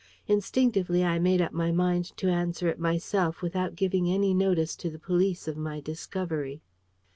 Instinctively I made up my mind to answer it myself, without giving any notice to the police of my discovery.